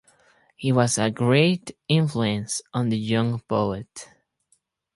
He was a great influence on the young poet.